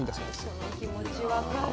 うわその気持ち分かる。